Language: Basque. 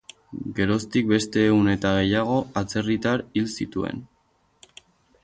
Geroztik beste ehun eta gehiago atzerritar hil zituen.